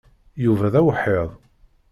Yuba d awḥid.